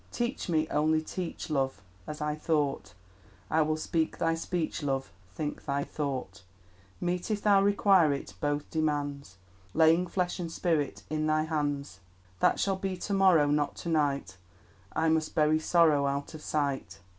Teach me, only teach, Love! As I ought I will speak thy speech, Love, Think thy thought— Meet, if thou require it, Both demands, Laying flesh and spirit In thy hands. That shall be to morrow Not to night: I must bury sorrow Out of sight.